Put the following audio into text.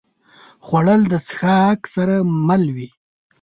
خوړل د څښاک سره مل وي